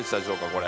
これ。